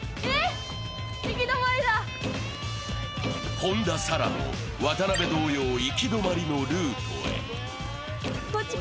本田紗来も渡辺同様、行き止まりのルートへ。